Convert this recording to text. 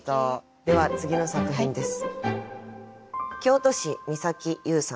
では次の作品です。